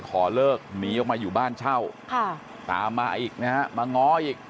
ขอเลิกหนีออกมาอยู่บ้านเช่าค่ะตามมาอีกนะฮะมาง้ออีก